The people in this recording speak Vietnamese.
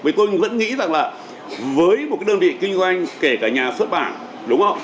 với tôi vẫn nghĩ rằng là với một cái đơn vị kinh doanh kể cả nhà xuất bản đúng không